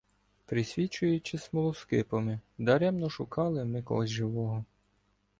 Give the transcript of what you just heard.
Присвічуючи смолоскипами, даремно шукали ми когось живого.